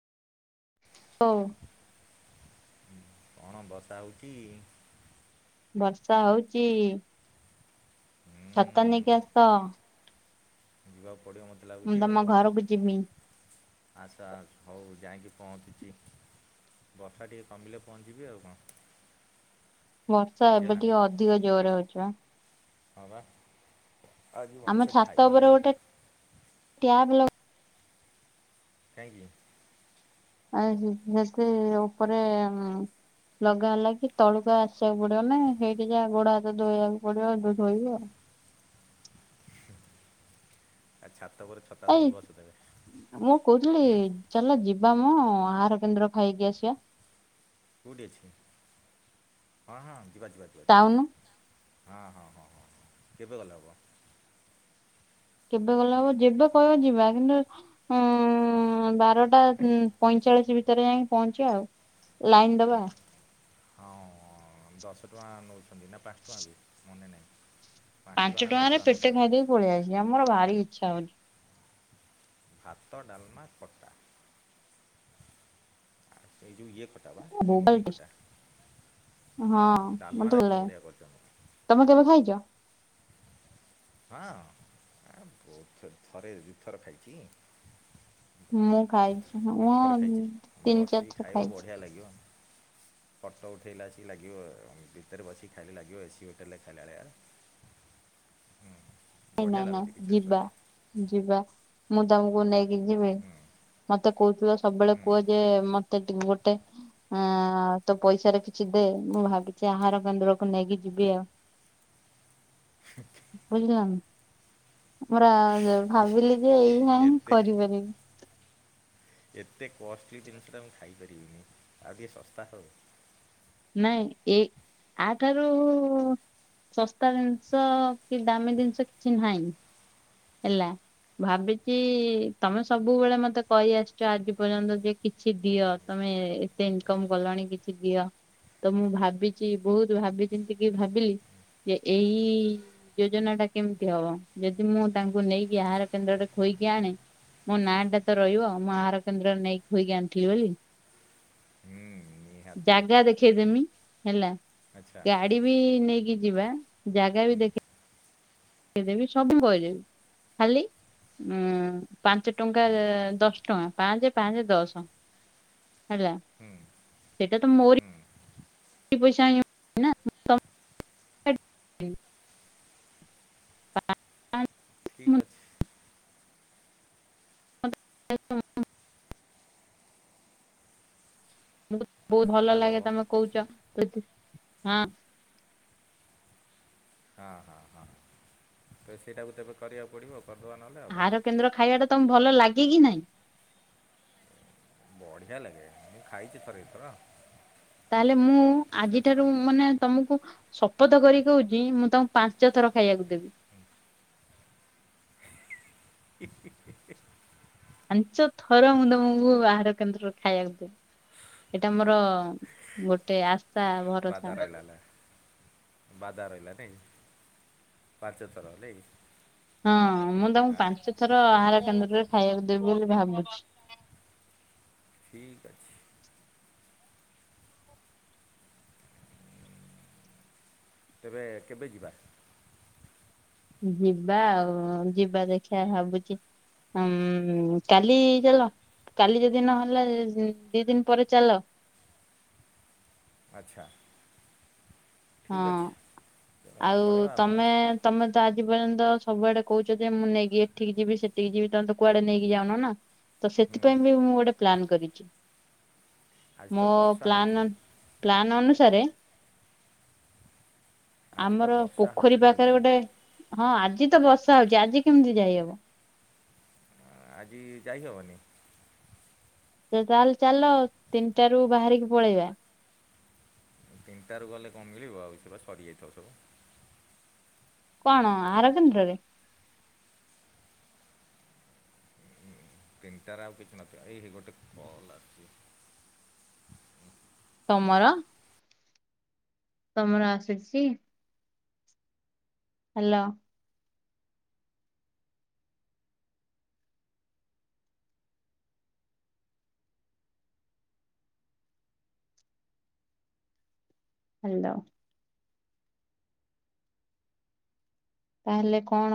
ହଉ। କଣ [unintelligible] ବର୍ଷା ହଉଛି। ହୁଁ ଛତା ନେଇକି ଆସ। ଯିବାକୁ ପଡ଼ିବ ମୋତେ ମୁଁ ଲାଗୁଛି ଆଉ। ତମ ଘରକୁ ଯିବି। ଆଚ୍ଛା, ହଉ ଯାଇକି ପହଞ୍ଚୁଛି। ବର୍ଷା ଟିକି କମିଲେ ପହଞ୍ଚିବି ଆଉ କଣ। ବର୍ଷା ଏବେ ବୁଝିହେଲା ନା ଟିକେ ଅଧିକ ଜୋରରେ ହେଉଛି ବା। ହଁ ବା, ଆଜି ମଣିଷ ଖାଇବନେଇଁ। ଟ୍ୟାବେଲ କାହିଁକି? ଆଉ [unintelligible] ଉପରେ ଉଁ ଲଗା ହେଲା କି ତଳକୁ ଆସିବାକୁ ପଡିବ ନାଇଁ, ହେଇଠି ଯା ଗୋଡ ହାତ ଧୋଇବାକୁ ପଡିବ ଧୋଇବୁ ଆଉ। ଏ ଛାତ ଉପରେ ପରେ ଛ ଏଇ, ମୁଁ କହୁଥିଲି ହୁଁ ଚାଲ ଯିବା ମ ଆହାର କେନ୍ଦ୍ର ଖାଇକି ଆସିବା। କୋଉଠି ଅଛି? ହଁ ହଁ ଯିବା ଯିବା ଯିବା ଟାଉନ ହଁ ହଁ ହଁ ହଁ, କେବେ ଗଲେ ହବ? କେବେ ଗଲେ ହେବ, ଯେବେ କହିବ ଯିବା କିନ୍ତୁ ହୁଁ, ବାରଟା ପଇଁଚାଳିଶ ଭିତରେ ଯାଇକି ପହଞ୍ଚିବା ଆଉ। ଲାଇନ ଦବା। ହଁ, ଦଶ ଟଙ୍କା ନଉଛନ୍ତି ନା ପାଞ୍ଚ ଟଙ୍କା କୁ ମନେ ନାହିଁ। ଟଙ୍କା ପାଞ୍ଚ ନା ଦଶ ଟଙ୍କାରେ ଟଙ୍କା ପେଟେ ନେଉଥିଲେ ଖାଇଦେଇକି ପଳେଇଆସିଆ ମୋର ଭାରି ଇଛା ହଉଛି। ଭାତ, ଡାଲମା, ଖଟା ଏ ଯୋଉ ଇଏ ଖ ଖଟା ବା ଏ ବୋବାଲ ଲୁଣି ଟେଷ୍ଟ ଖଟା ହଁ ମତେ ଡାଲମାଟା ଭଲ କିନ୍ତୁ ଲାଗେ ବଢିଆ କରିଛ। ତମେ କେବେ ଖାଇଛ? ହଁ, ଆ ବହୁତ ଥର ଥରେ ଦିଥର ଖାଇଛି। ମୁଁ ଖାଇଛି। ମୁଁ ଦିଥର ଖାଇଛି, ତିନି ବସିକି ଚାରିଥର ଖାଇବ ଖାଇଛି ବଢ଼ିଆ ଲାଗିବ। ଫଟୋ ଉଠେଇଲା ଆସିକି ଲାଗିବ, ଭିତରେ ବସିକି ଖାଇଲେ ଲାଗିବ ଏସି ହୋଟେଲରେ ଖାଇଲା ଳିଆ। ହେ ନା ନା ଲାଗୁଛି କିଛି ଅସୁବିଧା ଯିବା। ନାହିଁ ଯିବା, ମୁଁ ତମକୁ ନେଇକି ଯିବି? ହୁଁ ମତେ କହୁଥିଲ ସବୁବେଳେ ହୁଁ କୁହ ଯେ ମତେ ଟି ଗୋଟେ ହଁ ତୋ ପଇସାରେ କିଛି ଦେ, ମୁଁ ଭାବିଛି ଆହାର କେନ୍ଦ୍ରକୁ ନେଇକି ଯିବି ଆଉ। ବୁଝିଲନି? ପରା ଭାବିଲି ଯେ ଏଇଆ ହିଁ ଏତେ କରିପାରିବି। ଏତେ କଷ୍ଟଲି ଜିନିଷଟା ମୁଁ ଖାଇପାରିବିନି ଆଉ ଟିକେ ଶସ୍ତା ହଉ। ନାଇଁ, ଏ ଆଠାରୁ ଶସ୍ତା ଜିନିଷ କି ଦାମୀ ଜିନିଷ କିଛି ନାହିଁ ହେଲା। ଭାବିଚି ତମେ ସବୁବେଳେ ମତେ କହି ଆସିଚ ଆଜି ପର୍ଯ୍ୟନ୍ତ ଯେ କିଛି ଦିଅ ତମେ ଏତେ ଇନ୍କମ୍ କଲଣି କିଛି ଦିଅ। ତ ମୁଁ ଭାବିଚି ବହୁତ୍ ଭାବି ଚିନ୍ତିକି ଭାବିଲି ଯେ ଏଇ ଯୋଜନା ଟା କେମ୍ତି ହବ, ଯଦି ମୁଁ ତାଙ୍କୁ ନେଇକି ଆହାର କେନ୍ଦ୍ରରେ ଖୋଇକି ଆଣେ ମୋ ନାଁ ଟା ତ ରହିବ, ମୁଁ ଆହାର କେନ୍ଦ୍ରରେ ନେଇକି ଖୋଇକି ଆଣିଥିଲି ବୋଲି। ହୁଁ। ନିହାତି ଜାଗା ଦେଖେଇଦେମି ହେଲା, ଆଚ୍ଛା ଗା ଡି ବି ନେଇକି ଯିବା, ଜାଗା ବି ହୁଁ ଦେଖେ ଇଦେବି ସବୁ [unintelligible] ଖାଲି ଉଁ ପାଞ୍ଚ ଟଙ୍କା ହୁଁ ଏ ଦଶ ଟଙ୍କା ପାଞ୍ଚେ-ପାଞ୍ଚେ ଦଶ। ହେଲା, ହୁଁ ସେଇଟା ତ ମୋରି ହୁଁ ପଇସା [inaudible] [inaudible] ପା [inaudible] ଠିକ୍ ଅଛି। [inaudible] [unintelligible] ବହୁତ୍ ଭଲ ହ୍ୟାଲୋ ଲାଗେ ତମେ କହୁଚ [unintelligible] ହଁ-ହଁ-ହଁ ତ ସେଇଟାକୁ ତେବେ କରିବାକୁ ପଡ଼ିବ କରିଦବା ନହଲେ ଆଉ ଆହାର କଣ। କେନ୍ଦ୍ର ଖାଇବାଟା ତମକୁ ଭଲ ଲାଗେ କି ନାହିଁ? ବଢ଼ିଆ ଲାଗେ ମୁଁ ଖାଇଚି ଥରେ ଦି ଥର। ତାହେଲେ ମୁଁ ଆଜିଠାରୁ ମାନେ ତମୁକୁ ଶପଥ କରି କହୁଚି, ମୁଁ ତମୁକୁ ପାଞ୍ଚ ଥର ଖାଇଆକୁ ଦେବି। [inaudible] ପାଞ୍ଚ ଥର ମୁଁ ତମୁକୁ ଆହାର କେନ୍ଦ୍ରରେ ଖାଇଆକୁ ଦେବି, ଏଇଟା ମୋର ଗୋଟେ ଆଶା ଭରସା। ବାଦା ରହିଲା ନାଇଁ, ପାଞ୍ଚ ଥର ନାଇଁ? ହଁ, ମୁଁ ତମୁକୁ ଆଁ ପାଞ୍ଚ ଥର ଆହାର କେନ୍ଦ୍ରରେ ଖାଇବାକୁ ଦେବି ବୋଲି ଭାବୁଚି। ଠିକ୍ ଅଛି। ତେବେ କେବେ ଯିବା? ଯିବା ଆଉ, ଯିବା ଦେଖିଆ ଭାବୁଚି [unintelligible] କାଲି ଚାଲ। କାଲି ଯଦି ନହେଲା ଦି ଦିନ୍ ପରେ ଚାଲ। ଆଚ୍ଛା ହଁ ଠିକ୍ ଅଛି, ପଳେଇବା ଆଉ କଣ ଅଛି। ତମେ ତ ଆଜି ପର୍ଯ୍ୟନ୍ତ ସବୁଆଡେ କହୁଚ ଯେ ମୁଁ ନେଇକି ଏଠିକି ଯିବି ସେଠିକି ଯିବି, ତମେ ତ କୁଆଡେ ନେଇକି ଯାଉନ ନା ତ ହୁଁ ସେଥିପାଇଁ ବି ମୁଁ ଗୋଟେ ପ୍ଲାନ୍ କରିଚି, ଆଜି ତ ମୋ ବର୍ଷା ହେଉଛି ପ୍ଲାନ ପ୍ଲାନ୍ ଅନୁସାରେ ଆଜି ତ ଆମର ବର୍ଷା ପୋଖରୀ ହେଉଛି ପାଖେରେ ଗୋଟେ, ହଁ ଆଜି ତ ବର୍ଷା ହଉଚି ଆଜି କେମିତି ଯାଇହବ। ଆଜି ଯାଇ ହବନି? ତେବେ ତାହେଲେ ଚାଲ ତିନିଟାରୁୁ ବାହାରିକି ପଳେଇବା। ତିନିଟାରୁ ଗଲେ କଣ ମିଳିବ ଆଉ, ସେ ବା ସରିଯାଇଥବ ସବୁ। କଣ ଆହାର କେନ୍ଦ୍ରରେ? ତିନିଟାରେ ଆଉ କିଛି ନଥିବ, ଏଇ ହେଇ ଗୋଟେ କଲ୍ [unintelligible] ତମର? ତମର ଆସିୁଚି? ହ୍ୟାଲୋ ହ୍ୟାଲୋ ତାହେଲେ କଣ